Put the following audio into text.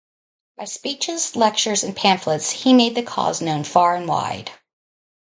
By speeches, lectures, and pamphlets he made the cause known far and wide.